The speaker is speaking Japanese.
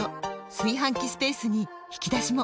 炊飯器スペースに引き出しも！